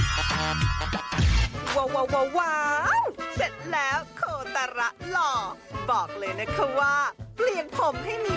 ว้าวเสร็จแล้วโคตาระหล่อบอกเลยนะคะว่าเปลี่ยนผมให้มี